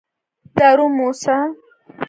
دارو موسه.